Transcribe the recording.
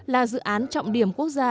là dự án trọng điểm quốc gia